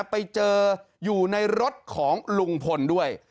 ไปเจออยู่ในรถของลุงพลด้วย